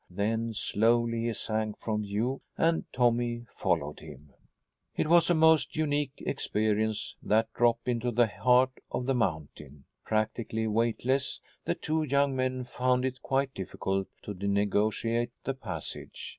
Then slowly he sank from view, and Tommy followed him. It was a most unique experience, that drop into the heart of the mountain. Practically weightless, the two young men found it quite difficult to negotiate the passage.